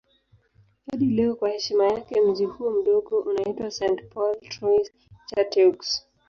Hadi leo kwa heshima yake mji huo mdogo unaitwa St. Paul Trois-Chateaux.